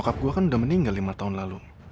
cukap gue kan udah meninggal lima tahun lalu